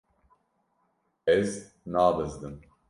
Ez nabizdim.